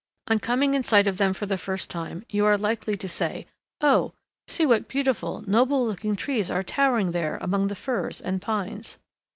On coming in sight of them for the first time, you are likely to say, "Oh, see what beautiful, noble looking trees are towering there among the firs and pines!"